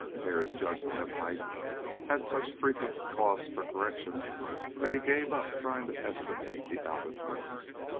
Hare's judgment of height had such frequent cause for correction that he gave up trying to estimate the altitude.